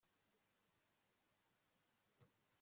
Ya alder fata ishoka yanjye yazamuye inyuma yanjye